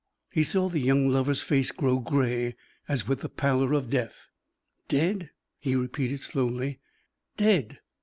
He saw the young lover's face grow gray as with the pallor of death. "Dead?" he repeated, slowly "_dead!